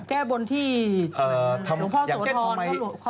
แก้บนที่หลวงพ่อโสธร